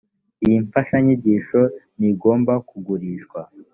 iyi mfashanyigisho ntigomba kugurishwa